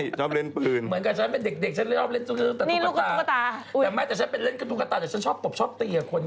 แต่ฉันเป็นเล่นกระตูกระตาแต่ฉันชอบตบชอบเตะอย่างคน